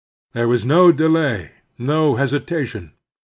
There was no delay, no hesitation.